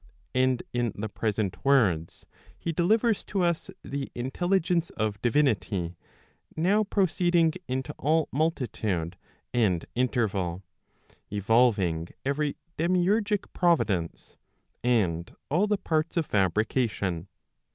And in the present words, he delivers to us the intelligence of divinity now proceeding into all multitude and interval, evolving every demiurgic providence, and all the parts of fabri¬ cation.